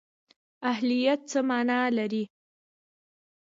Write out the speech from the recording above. اهلیت څه مانا لري؟